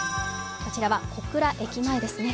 こちらは小倉駅前ですね。